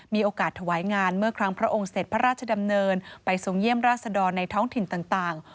มีโอกาสถวายงานเมื่อครั้งพระองค์เสร็จพระราชดำเนินไปทรงเยี่ยมราชดรในท้องถิ่นต่าง